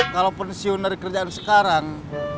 kalau pensiun dari kerjaan sekarang